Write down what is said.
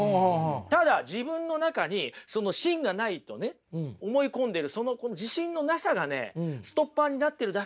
ただ自分の中にその芯がないとね思い込んでるその自信のなさがねストッパーになってるだけだと思うんですよね。